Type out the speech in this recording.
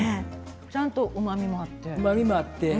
ちゃんと甘みもあって。